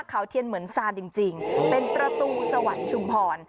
เขาเทียนเหมือนซานจริงเป็นประตูสวรรค์ชุมพร